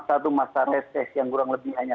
satu masa reses yang kurang lebih hanya